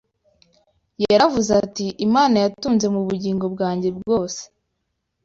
Yaravuze ati: “Imana yantunze mu bugingo bwanjye bwose